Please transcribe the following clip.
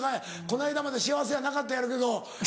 この間まで幸せやなかったやろうけど。